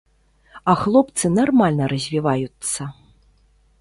А хлопцы нармальна развіваюцца.